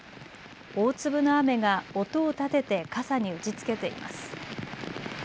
大粒の雨が音を立てて傘に打ちつけています。